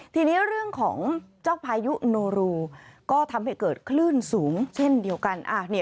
ทีนี้เรื่องของเจ้าพายุโนรูก็ทำให้เกิดคลื่นสูงเช่นเดียวกัน